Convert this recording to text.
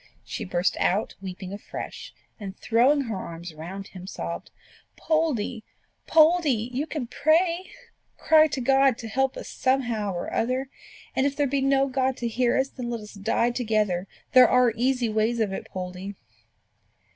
She burst out weeping afresh, and throwing her arms round him, sobbed "Poldie, Poldie! you can pray: cry to God to help us somehow or other; and if there be no God to hear us, then let us die together. There are easy ways of it, Poldie."